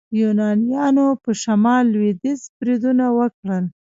یونانیانو په شمال لویدیځ بریدونه وکړل.